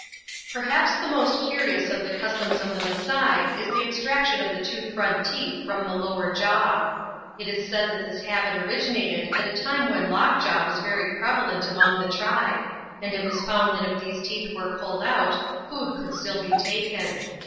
Perhaps the most curious of the customs of the Masai is the extraction of the two front teeth from the lower jaw. It is said that this habit originated at a time when lockjaw was very prevalent among the tribe, and it was found that if these teeth were pulled out food could still be taken.